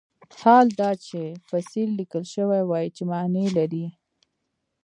حال دا چې فصیل لیکل شوی وای چې معنی لري.